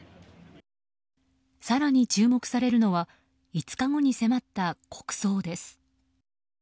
更に注目されるのが５日後に迫った国葬です。